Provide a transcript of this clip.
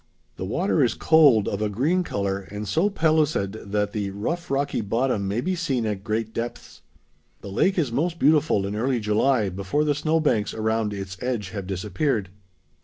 The water is cold, of a green color, and so pellucid that the rough rocky bottom may be seen at great depths. The lake is most beautiful in early July before the snowbanks around its edge have disappeared.